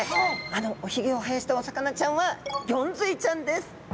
あのおひげを生やしたお魚ちゃんはゴンズイちゃんです！